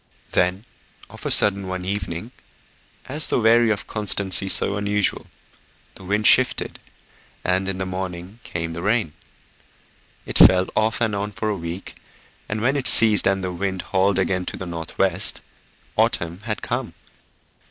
Then, of a sudden one evening, as though weary of a constancy so unusual, the wind shifted and in the morning came the rain. It fell off and on for a week, and when it ceased and the wind hauled again to the north west, autumn had come.